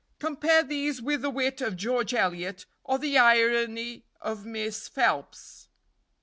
Compare these with the wit of George Eliot or the irony of Miss Phelps.